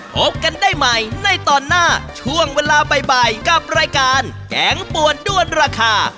พบกันได้ใหม่ในตอนหน้าช่วงเวลาบ่ายกับรายการแกงป่วนด้วนราคา